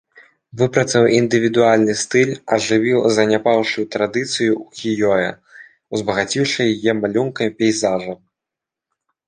Выпрацаваў індывідуальны стыль, ажывіў заняпаўшую традыцыю ўкіё-э, узбагаціўшы яе малюнкамі пейзажаў.